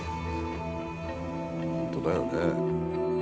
本当だよね。